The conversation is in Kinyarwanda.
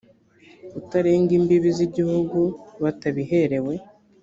kutarenga imbibi z igihugu batabiherewe